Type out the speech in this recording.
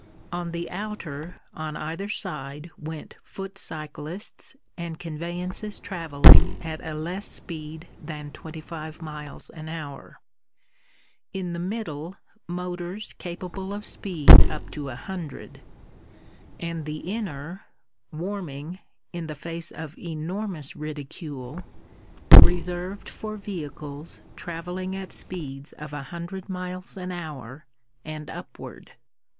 On the outer on either side went foot cyclists and conveyances travelling at a less speed than twenty five miles an hour; in the middle, motors capable of speed up to a hundred; and the inner, Warming (in the face of enormous ridicule) reserved for vehicles travelling at speeds of a hundred miles an hour and upward.